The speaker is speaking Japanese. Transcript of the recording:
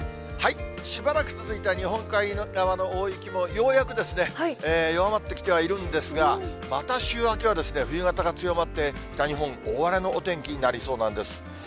しばらく続いた日本海側の大雪もようやく弱まってきてはいるんですが、また週明けは冬型が強まって、北日本、大荒れのお天気になりそうなんです。